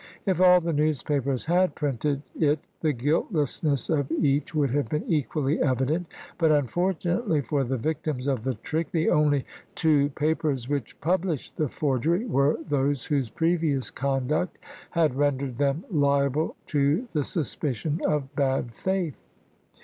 If all the newspapers had printed it the guiltlessness of each would have been equally evident; but unfortunately for the victims of the trick, the only two papers which published the for gery were those whose previous conduct had ren dered them liable to the suspicion of bad faith.